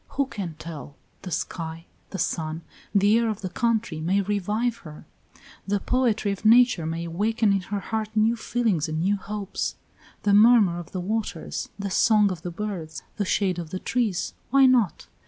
Who can tell! the sky, the sun, the air of the country, may revive her; the poetry of nature may awaken in her heart new feelings and new hopes; the murmur of the waters, the song of the birds, the shade of the trees why not?